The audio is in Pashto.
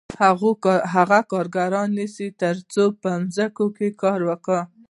هغه کارګران نیسي تر څو په ځمکو کې کار وکړي